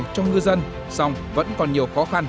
cho ngư dân song vẫn còn nhiều khó khăn